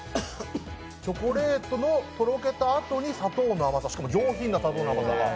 チョコレートのとろけたあとに砂糖の甘さ、しかも上品な砂糖の甘さが。